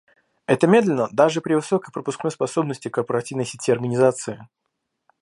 Это медленно даже при высокой пропускной способности корпоративной сети организации